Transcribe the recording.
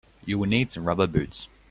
You will need some rubber boots.